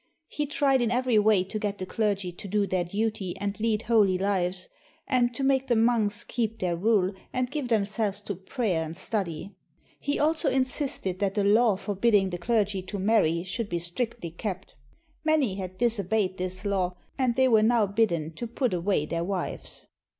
He tried in every way to get the clergy to do their duty and lead holy lives, and to make the monks keep their rule and give themselves to prayer and study. He also insisted that the law forbidding the clergy to marry should be strictly kept. Many had dis obeyed this law, and they were now bidden to put away their wives.